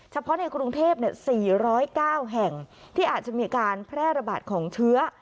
เฉพาะในกรุงเทพ๔๐๙แห่งที่อาจจะมีการแพร่ระบาดของเชื้อ